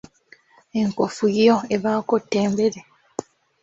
Enkofu yo ebaako ttembere.